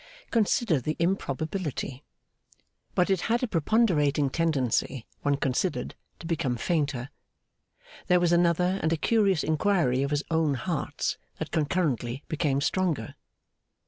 Consider the improbability. But it had a preponderating tendency, when considered, to become fainter. There was another and a curious inquiry of his own heart's that concurrently became stronger.